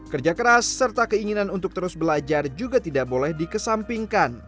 kerja keras serta keinginan untuk terus belajar juga tidak boleh dikesampingkan